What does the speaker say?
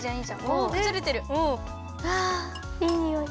あいいにおい。